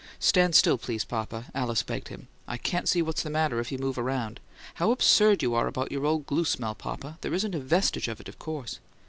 "Stand still, please, papa," Alice begged him. "I can't see what's the matter if you move around. How absurd you are about your old glue smell, papa! There isn't a vestige of it, of course."